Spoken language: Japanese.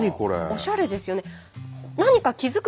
おしゃれですよね。